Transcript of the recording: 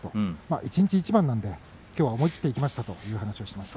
一日一番なのできょうは思い切っていきましたと話していました。